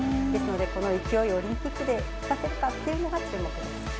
ですのでこの勢いをオリンピックで生かせるかというのが注目です。